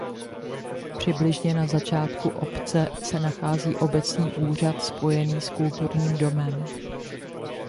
Přibližně na začátku obce se nachází obecní úřad spojený s kulturním domem.